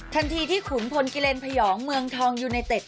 ทันทีที่ขุนพลกิเลนพยองเมืองทองยูไนเต็ด